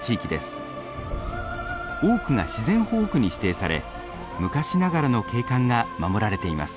多くが自然保護区に指定され昔ながらの景観が守られています。